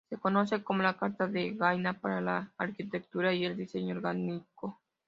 Se conoce como la carta de Gaia para la arquitectura y el diseño orgánicos.